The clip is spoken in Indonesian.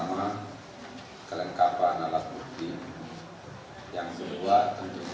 nah apakah kita juga akan menjadikan korporasi pt evald resolution dalam hal ini